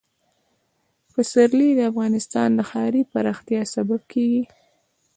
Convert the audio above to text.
پسرلی د افغانستان د ښاري پراختیا سبب کېږي.